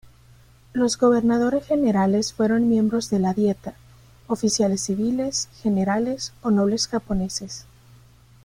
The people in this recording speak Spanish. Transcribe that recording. Los gobernadores generales fueron miembros de la Dieta, oficiales civiles, generales o nobles japoneses.